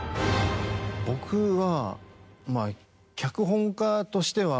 僕は。